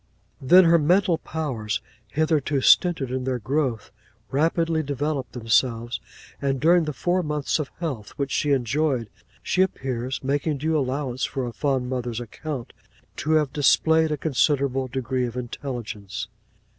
'Then her mental powers, hitherto stinted in their growth, rapidly developed themselves; and during the four months of health which she enjoyed, she appears (making due allowance for a fond mother's account) to have displayed a considerable degree of intelligence.